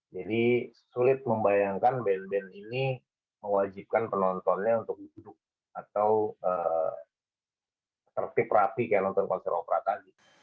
jadi sulit membayangkan band band ini mewajibkan penontonnya untuk duduk atau tertip rapi kayak nonton konser opera tadi